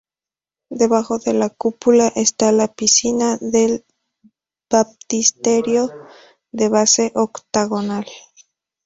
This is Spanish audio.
Debajo de la cúpula está la piscina del baptisterio, de base octogonal.